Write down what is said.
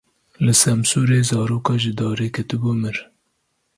Li Semsûrê zaroka ji darê ketibû, mir.